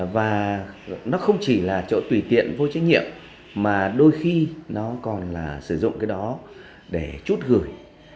và nó không chỉ là chỗ tùy tiện vô trách nhiệm mà đôi khi nó còn là sử dụng cái đó để chút gửi